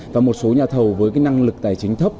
và một số nhà thầu với cái năng lực tài chính thấp